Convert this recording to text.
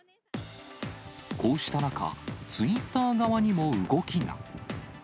こうした中、ツイッター側にも動きが。